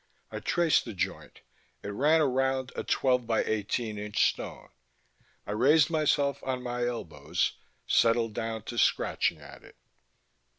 I traced the joint; it ran around a twelve by eighteen inch stone. I raised myself on my elbows, settled down to scratching at it.